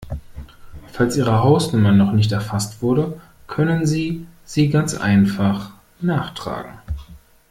Falls Ihre Hausnummer noch nicht erfasst wurde, können Sie sie ganz einfach nachtragen.